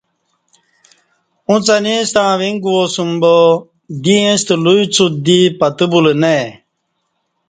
اُݩڅ انیستݩع ویݩگ گواسوم با دی ایݩستہ لوئ څوڅ دی پتہ بولہ نہ ائی